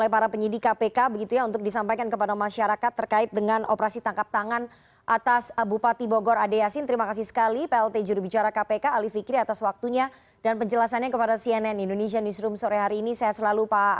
baru kemudian kami akan informasikan kepada masyarakat setelahnya